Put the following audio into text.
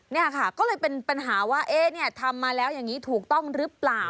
นี่ค่ะก็เลยเป็นปัญหาว่าทำมาแล้วอย่างนี้ถูกต้องหรือเปล่า